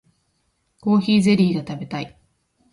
コーヒーゼリーが食べたい